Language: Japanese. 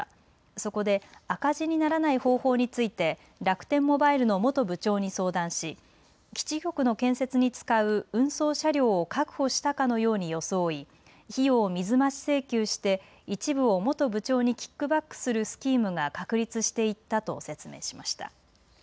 そこで赤字にならない方法について楽天モバイルの元部長に相談し、基地局の建設に使う運送車両を確保したかのように装い費用を水増し請求して一部を元部長にキックバックするスキームが確立していったと説明しました。